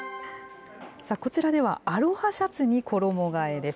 こちらでは、アロハシャツに衣がえです。